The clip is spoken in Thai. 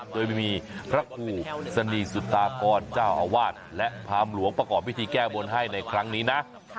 โดยไม่มีพระครูสนีสุตาพรเจ้าอาวาสและพรามหลวงประกอบพิธีแก้บนให้ในครั้งนี้นะ